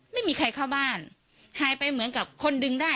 ไม่มีใครเข้าบ้านหายไปเหมือนกับคนดึงได้